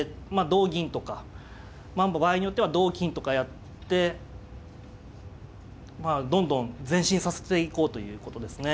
同銀とか場合によっては同金とかやってどんどん前進させていこうということですね。